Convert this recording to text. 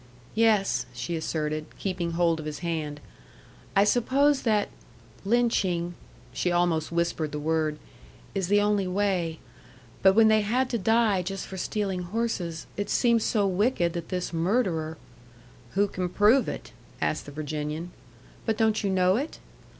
"Yes," she asserted, keeping hold of his hand. "I suppose that lynching " (she almost whispered the word) "is the only way. But when they had to die just for stealing horses, it seems so wicked that this murderer " "Who can prove it?" asked the Virginian. "But don't you know it?"